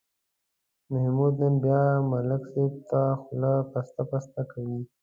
محمود نن بیا ملک صاحب ته خوله پسته پسته کوي.